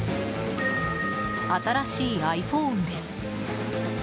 新しいｉＰｈｏｎｅです。